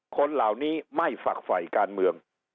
คนเหล่านี้ไม่ฝักฝ่ายการเมือง